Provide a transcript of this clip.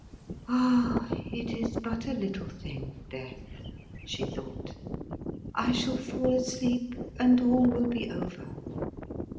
"Ah! it is but a little thing, death!" she thought. "I shall fall asleep and all will be over."